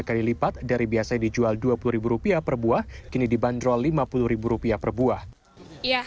kali lipat dari biasanya dijual dua puluh rupiah per buah kini dibanderol lima puluh rupiah per buah ya